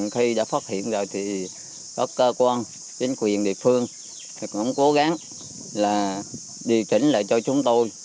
khi đã phát hiện rồi thì các cơ quan chính quyền địa phương cũng cố gắng là điều chỉnh lại cho chúng tôi